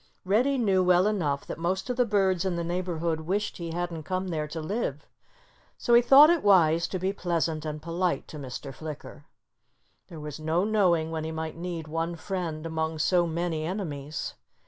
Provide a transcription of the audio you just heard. Reddy knew well enough that most of the birds in the neighborhood wished he hadn't come there to live. So he thought it wise to be pleasant and polite to Mr. Flicker. There was no knowing when he might need one friend among so many enemies.